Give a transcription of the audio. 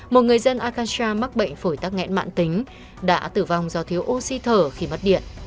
một người dân arkansas mắc bệnh phổi tác nghẹn mạng tính đã tử vong do thiếu oxy thở khi mất điện